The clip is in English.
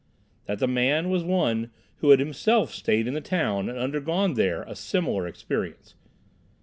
"That the man was one who had himself stayed in the town and undergone there a similar experience.